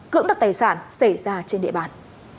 cưỡng đặt tài sản xảy ra trên địa bàn